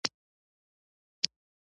فلم د نوښت هڅونه کوي